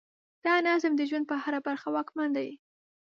دا نظم د ژوند په هره برخه واکمن دی.